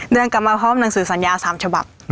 เดินกลับมาเขาบอกว่าหนังสือสัญญา๓ฉบับ